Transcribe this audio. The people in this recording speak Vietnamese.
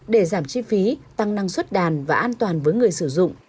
để giảm chi phí tăng năng suất đàn và an toàn với người sử dụng